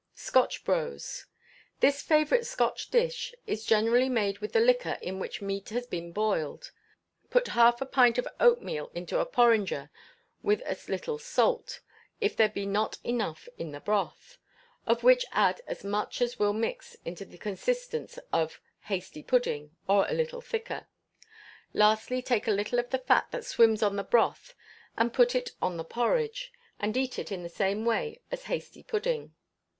Scotch Brose. This favourite Scotch dish is generally made with the liquor in which meat has been boiled. Put half a pint of oatmeal into a porringer with a little salt, if there be not enough in the broth, of which add as much as will mix it to the consistence of hasty pudding or a little thicker, lastly, take a little of the fat that swims on the broth and put it on the porridge, and eat it in the same way as hasty pudding.